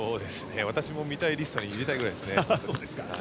私も見たいリストに入れたいぐらいです。